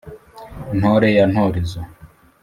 ntore ya ntorezo